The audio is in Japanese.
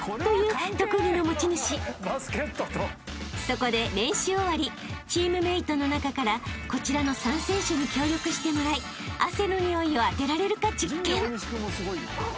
［そこで練習終わりチームメートの中からこちらの３選手に協力してもらい汗のにおいを当てられるか実験］